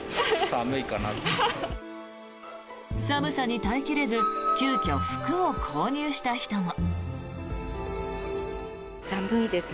寒さに耐え切れず急きょ、服を購入した人も。